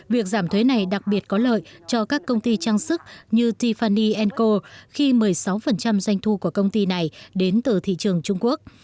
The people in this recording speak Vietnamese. việc giảm thuế này đặc biệt có lợi cho các công ty trang sức như tifany co khi một mươi sáu doanh thu của công ty này đến từ thị trường trung quốc